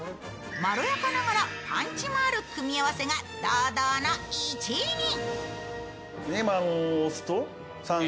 まろやかながらパンチもある組み合わせが堂々の１位に。